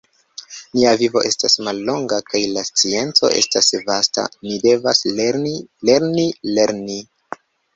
Nia vivo estas mallonga kaj la scienco estas vasta; ni devas lerni, lerni, lerni!